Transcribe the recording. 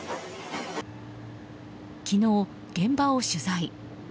昨日、現場を取材。